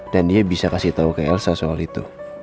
dan dia bisa kasih tau ke elsa soal itu